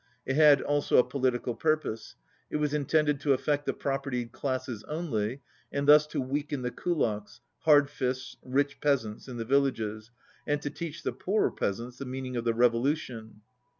It had also a political pur pose. It was intended to affect the propertied classes only, and thus to weaken the Kulaks (hard fists, rich peasants) in the villages and to teach the poorer peasants the meaning of the revolution.